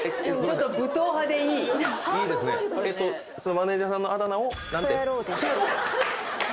マネジャーさんのあだ名を何て？